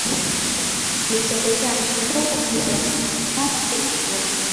tulitembelea tu miti ya kumi na tano hii ilikuwa